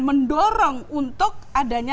mendorong untuk adanya